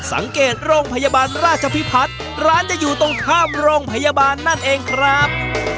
สังเกตโรงพยาบาลราชพิพัฒน์ร้านจะอยู่ตรงข้ามโรงพยาบาลนั่นเองครับ